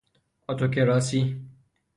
اتوکراسی